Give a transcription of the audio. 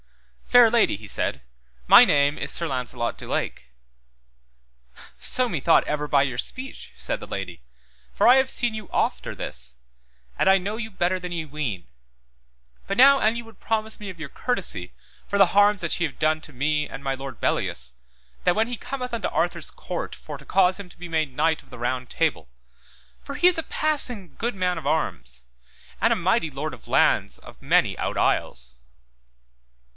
Fair lady, he said, my name is Sir Launcelot du Lake. So me thought ever by your speech, said the lady, for I have seen you oft or this, and I know you better than ye ween. But now an ye would promise me of your courtesy, for the harms that ye have done to me and my Lord Belleus, that when he cometh unto Arthur's court for to cause him to be made knight of the Round Table, for he is a passing good man of arms, and a mighty lord of lands of many out isles.